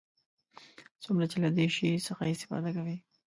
څومره چې له دې شي څخه استفاده کوي.